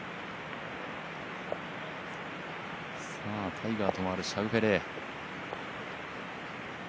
タイガーとまわるシャウフェレ。